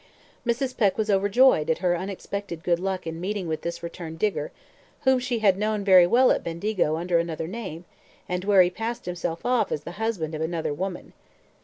Mrs. Peck was overjoyed at her unexpected good luck in meeting with this returned digger, whom she had known very well at Bendigo under another name, and where he passed himself off as the husband of another woman.